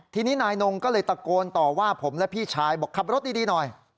ทีนี้นายนงก็เลยตะโกนต่อว่าผมและพี่ชายบอกขับรถดีหน่อย